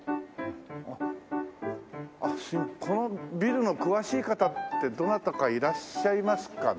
このビルの詳しい方ってどなたかいらっしゃいますかね？